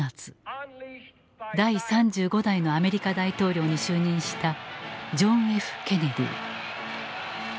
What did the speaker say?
第３５代のアメリカ大統領に就任したジョン・Ｆ・ケネディ。